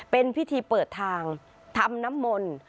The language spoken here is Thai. เป็นพิธีเปิดทางทำน้ำมนต์